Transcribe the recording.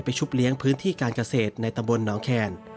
ชุบเลี้ยงพื้นที่การเกษตรในตำบลหนองแคน